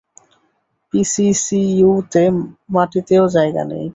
পিসিসিইউতে মাটিতেও জায়গা নেই।